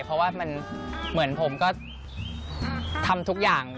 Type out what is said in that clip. เพราะว่ามันเหมือนผมก็ทำทุกอย่าง